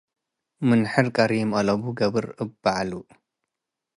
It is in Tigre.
ምን ሕር ቀሪም አለቡ፤፣ ገብር እብ በዐሉ።